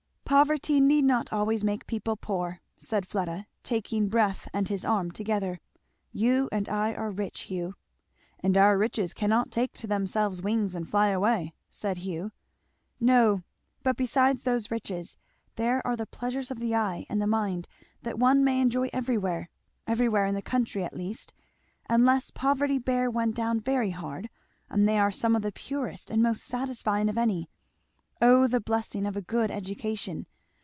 "Poverty need not always make people poor," said Fleda taking breath and his arm together. "You and I are rich, Hugh." "And our riches cannot take to themselves wings and flyaway," said Hugh. "No, but besides those riches there are the pleasures of the eye and the mind that one may enjoy everywhere everywhere in the country at least unless poverty bear one down very hard; and they are some of the purest and most satisfying of any. O the blessing of a good education!